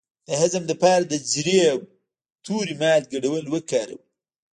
د هضم لپاره د زیرې او تورې مالګې ګډول وکاروئ